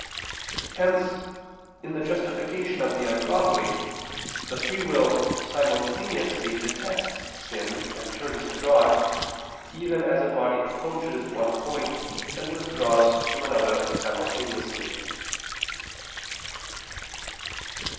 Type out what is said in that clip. Hence in the justification of the ungodly the free will simultaneously detests sin and turns to God, even as a body approaches one point and withdraws from another simultaneously.